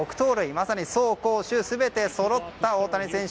まさに走攻守全てそろった大谷翔平選手。